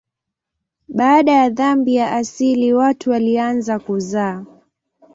Baada ya dhambi ya asili watu walianza kuzaa.